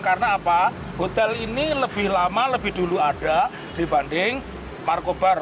karena apa hotel ini lebih lama lebih dulu ada dibanding markobar